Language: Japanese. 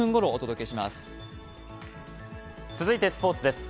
続いてスポーツです。